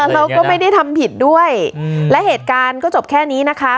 เราก็ไม่ได้ทำผิดด้วยและเหตุการณ์ก็จบแค่นี้นะคะ